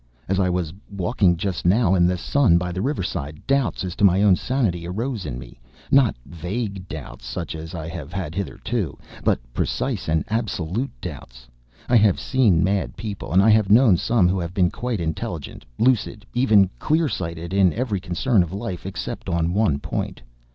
As I was walking just now in the sun by the riverside, doubts as to my own sanity arose in me; not vague doubts such as I have had hitherto, but precise and absolute doubts. I have seen mad people, and I have known some who have been quite intelligent, lucid, even clear sighted in every concern of life, except on one point.